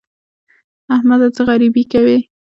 احمده! څه غريبي کوې؟